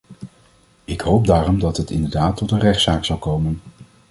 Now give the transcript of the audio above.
Ik hoop daarom dat het inderdaad tot een rechtszaak zal komen.